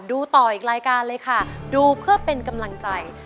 ดูต่ออีกรายการเลยค่ะดูเพื่อเป็นกำลังใจ